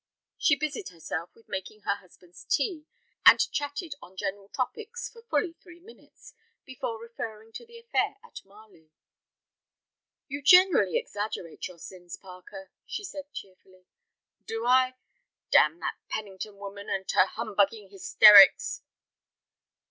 She busied herself with making her husband's tea, and chatted on general topics for fully three minutes before referring to the affair at Marley. "You generally exaggerate your sins, Parker," she said, cheerfully. "Do I? Damn that Pennington woman and her humbugging hysterics."